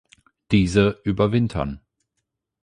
Diese überwintern.